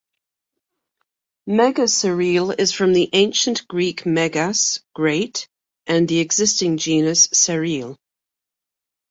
"Megaceryle" is from the Ancient Greek "megas", "great", and the existing genus "Ceryle".